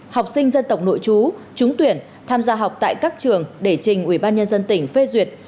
học sinh dân tộc nội chú trúng tuyển tham gia học tại các trường để trình ubnd tỉnh phê duyệt